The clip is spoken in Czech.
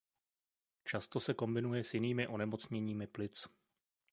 Často se kombinuje s jinými onemocněními plic.